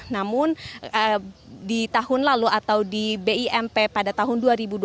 namun di tahun lalu atau di bimp pada tahun dua ribu dua puluh